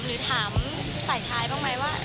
หรือถามฝ่ายชายบ้างไหมว่า